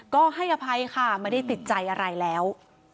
ก็ให้อภัยค่ะไม่ได้ติดใจอะไรแล้ว